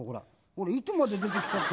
これ糸まで出てきちゃって。